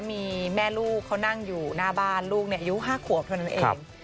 มีแม่ลูกเขานั่งอยู่หน้าบ้านลูกอายุ๕ขวบเท่านั้นเอง